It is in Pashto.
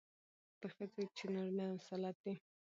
پر ښځو چې نارينه مسلط دي،